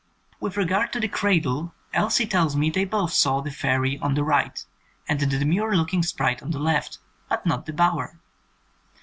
With regard to the 'cradle' Elsie tells me they both saw the fairy on the right and the demure looking sprite on the left, but not the bower.